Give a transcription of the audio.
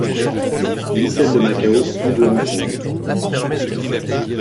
Ni celle de Macao ou de Hong Kong.